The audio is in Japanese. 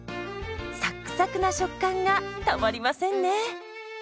サックサクな食感がたまりませんね。